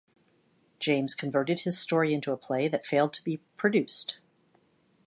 James converted his story into a play that failed to be produced.